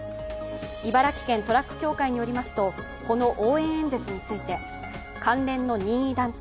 茨城県トラック協会によりますと、この応援演説について関連の任意団体